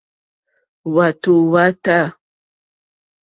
Hwàtò hwá tâ.